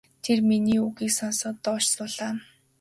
Тэр миний үгийг сонсоод доош суулаа.